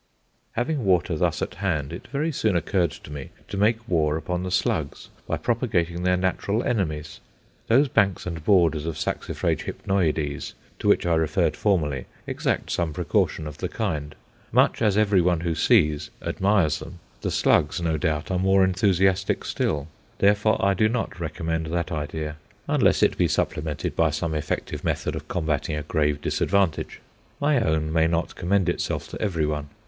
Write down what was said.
Having water thus at hand, it very soon occurred to me to make war upon the slugs by propagating their natural enemies. Those banks and borders of Saxifraga hypnoides, to which I referred formerly, exact some precaution of the kind. Much as every one who sees admires them, the slugs, no doubt, are more enthusiastic still. Therefore I do not recommend that idea, unless it be supplemented by some effective method of combating a grave disadvantage. My own may not commend itself to every one.